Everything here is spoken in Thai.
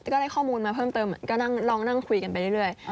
ก็ได้ข้อมูลมาเพิ่มเติมเหมือนก็ลองนั่งคุยกันไปเรื่อย